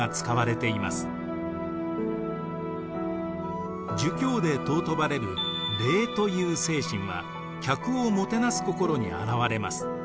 例えば儒教で尊ばれる「礼」という精神は客をもてなす心に表れます。